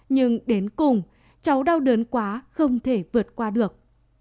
nhưng đến cùng cháu đau đớn quá không thể vượt qua được